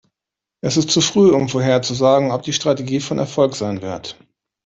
Es ist zu früh, um vorherzusagen, ob die Strategie von Erfolg sein wird.